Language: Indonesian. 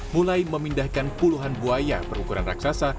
mulai memindahkan puluhan buaya berukuran raksasa